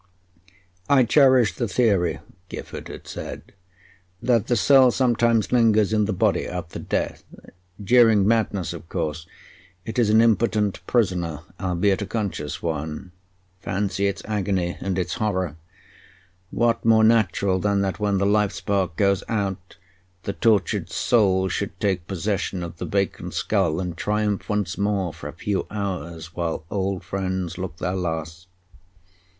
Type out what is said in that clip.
"I cherish the theory," Gifford had said, "that the soul sometimes lingers in the body after death. During madness, of course, it is an impotent prisoner, albeit a conscious one. Fancy its agony, and its horror! What more natural than that, when the life spark goes out, the tortured soul should take possession of the vacant skull and triumph once more for a few hours while old friends look their last?